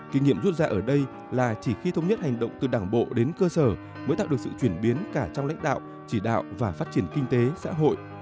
kinh nghiệm rút ra ở đây là chỉ khi thống nhất hành động từ đảng bộ đến cơ sở mới tạo được sự chuyển biến cả trong lãnh đạo chỉ đạo và phát triển kinh tế xã hội